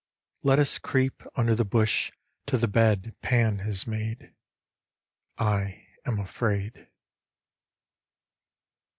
Let us creep under the bush to the bed Pan has made. 1 am afraid.